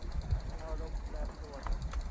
อารมณ์แปรปรวน